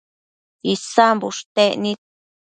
Isan bushtec nid